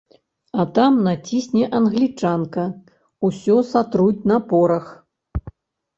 А там націсне англічанка, усё сатруць на порах.